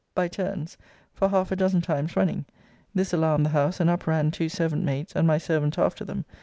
by turns, for half a dozen times running. This alarmed the house, and up ran two servant maids, and my servant after them.